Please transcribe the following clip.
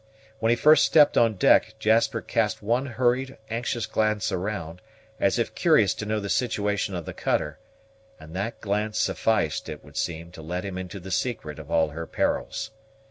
When he first stepped on deck, Jasper cast one hurried, anxious glance around, as if curious to know the situation of the cutter; and that glance sufficed, it would seem, to let him into the secret of all her perils.